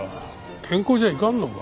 健康じゃいかんのか？